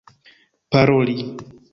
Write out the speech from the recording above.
paroli